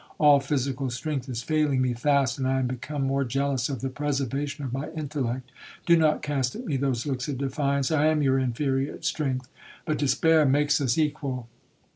All physical strength is failing me fast, and I am become more jealous of the preservation of my intellect. Do not cast at me those looks of defiance, I am your inferior in strength, but despair makes us equal.'